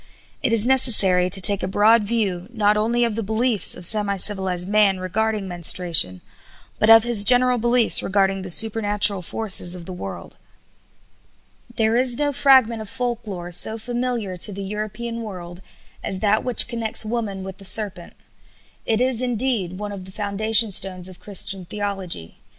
It is necessary to take a broad view, not only of the beliefs of semi civilized man regarding menstruation, but of his general beliefs regarding the supernatural forces of the world. There is no fragment of folk lore so familiar to the European world as that which connects woman with the serpent. It is, indeed, one of the foundation stones of Christian theology.